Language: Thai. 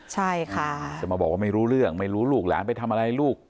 ใช่ค่ะจะมาบอกว่าไม่รู้เรื่องไม่รู้ลูกหลานไปทำอะไรลูก